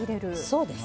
そうです。